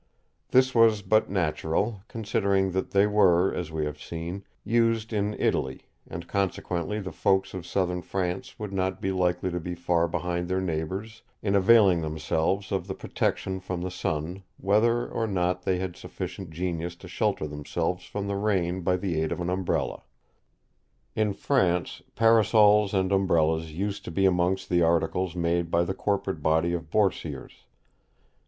This was but natural, considering that they were, as we have seen, used in Italy, and consequently the folk of southern France would not be likely to be far behind their neighbours in availing themselves of the protection from the sun, whether or no they had sufficient genius to shelter themselves from the rain by the aid of an Umbrella. In France Parasols and Umbrellas used to be amongst the articles made by the corporate body of Boursiers.